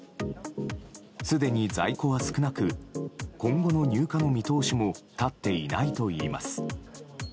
すでに在庫は少なく今後の入荷の見通しも立っていないといいます。